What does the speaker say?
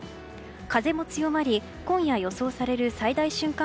風も強まり今夜予想される最大瞬間